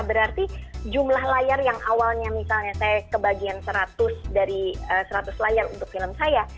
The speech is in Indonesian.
berarti jumlah layar yang awalnya misalnya saya kebagian seratus dari seratus layar untuk film saya